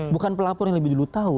bukan pelapor yang lebih dulu tahu